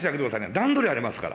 段取りありますから。